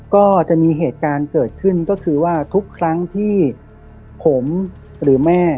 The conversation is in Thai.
ก็จะมีเหตุการณ์เกิดขึ้นก็คือว่าทุกครั้งที่ผมหรือแม่